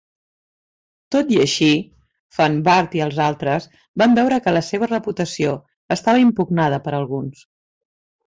Tot i així, Van Wart i els altres van veure que la seva reputació estava impugnada per alguns.